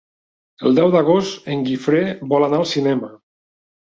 El deu d'agost en Guifré vol anar al cinema.